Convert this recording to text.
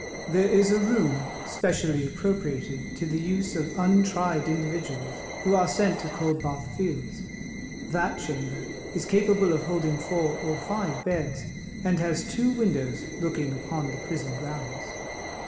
There is a room specially appropriated to the use of untried individuals who are sent to Coldbath Fields. That chamber is capable of holding four or five beds, and has two windows looking upon the prison grounds.